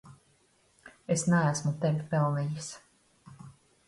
Es neesmu tevi pelnījis.